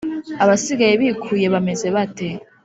Abasigaye bikuye bameze bate?